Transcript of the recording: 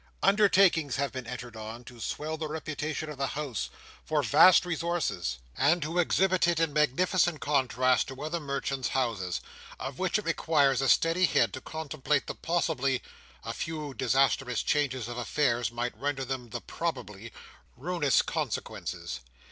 Undertakings have been entered on, to swell the reputation of the House for vast resources, and to exhibit it in magnificent contrast to other merchants' Houses, of which it requires a steady head to contemplate the possibly—a few disastrous changes of affairs might render them the probably—ruinous consequences.